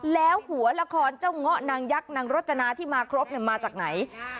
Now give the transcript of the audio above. แล้วหัวละครเจ้าเงาะนางยักษ์นางรจนาที่มาครบมาจากไหน